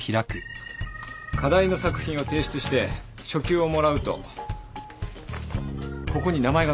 課題の作品を提出して初級をもらうとここに名前が載るんだ。